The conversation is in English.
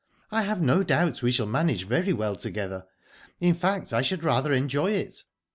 " I have no doubt we shall manage very well together. In fact I should rather enjoy it."